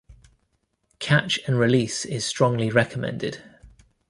Catch and release is strongly recommended.